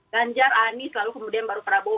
ganjar anies lalu kemudian baru prabowo